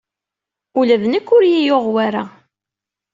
Ula d nekk ur iyi-yuɣ wara.